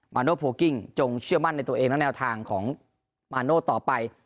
โนโพลกิ้งจงเชื่อมั่นในตัวเองและแนวทางของมาโน่ต่อไป